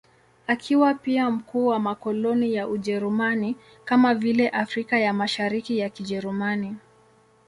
Akiwa pia mkuu wa makoloni ya Ujerumani, kama vile Afrika ya Mashariki ya Kijerumani.